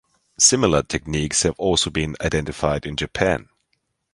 Similar techniques have also been identified in Japan.